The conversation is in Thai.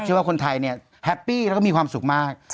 เชื่อว่าคนไทยแฮปปี้แล้วก็มีความสุขมาก